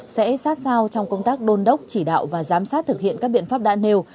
sẽ sát sao trong công tác đôn đốc chỉ đạo và giám sát thực hiện các biện pháp đã nêu